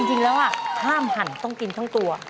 จริงแล้วห้ามหั่นต้องกินทั้งตัว